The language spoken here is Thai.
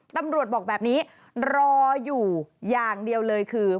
ตำรวจบอกแบบนี้รออยู่อย่างเดียวเลยคือ